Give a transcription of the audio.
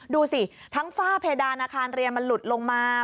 ดูสิทั้งฝ้าเพดานอาคารเรียนมันหลุดลงมา